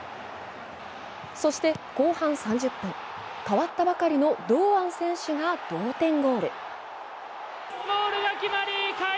そして後半３０分、代わったばかりの堂安選手が同点ゴール。